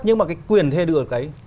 nhưng mà cái quyền thuê được đấy